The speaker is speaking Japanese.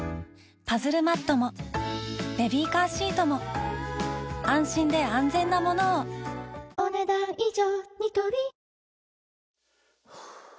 パズルマットもベビーカーシートも安心で安全なものをお、ねだん以上。